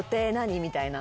みたいな。